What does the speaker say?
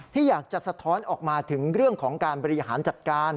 ที่อยากจะสะท้อนออกมาถึงเรื่องของการบริหารจัดการ